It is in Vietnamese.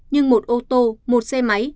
nhưng một ô tô một xe máy